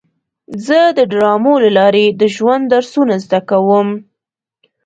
زه د ډرامو له لارې د ژوند درسونه زده کوم.